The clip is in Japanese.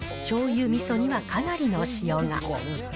しょうゆ、みそにはかなりの塩が。